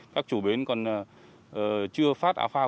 các chủ bến còn chưa phát áo phao